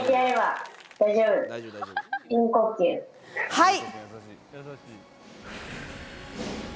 はい！